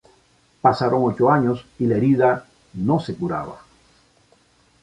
Pasaron ocho años y la herida no se curaba.